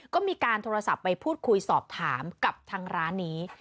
ก็มีการโทรศัพท์ไปพูดคุยสอบถามกับทางร้านนี้